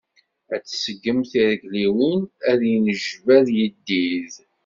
Ad tseggem tirigliwin, ad yennejbad yiddid.